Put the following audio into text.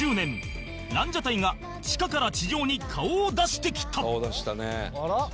ランジャタイが地下から地上に顔を出してきた